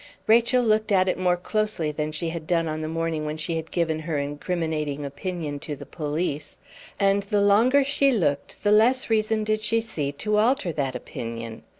Rachel looked at it more closely than she had done on the morning when she had given her incriminating opinion to the police, and the longer she looked the less reason did she see to alter that opinion.